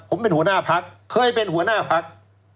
ผมเป็นหัวหน้าพักเคยเป็นหัวหน้าพัก